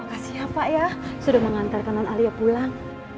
kasih ya pak ya sudah mengantarkan non alia pulang